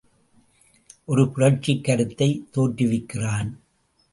ஒரு புரட்சிக் கருத்தைத் தோற்றுவிக்கிறான்.